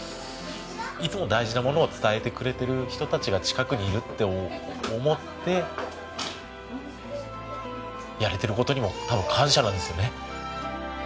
いつも大事なものを伝えてくれてる人たちが近くにいるって思ってやれてる事にも多分感謝なんですよね。